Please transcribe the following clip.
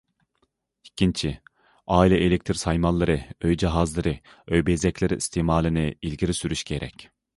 ئىككىنچى، ئائىلە ئېلېكتىر سايمانلىرى، ئۆي جاھازلىرى، ئۆي بېزەكلىرى ئىستېمالىنى ئىلگىرى سۈرۈش كېرەك.